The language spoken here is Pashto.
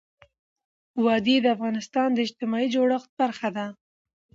وادي د افغانستان د اجتماعي جوړښت برخه ده.